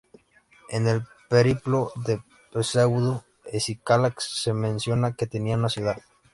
En el "Periplo de Pseudo-Escílax" se menciona que tenía una ciudad.